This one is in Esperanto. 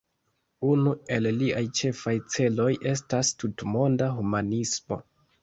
Unu el liaj ĉefaj celoj estas tutmonda humanismo.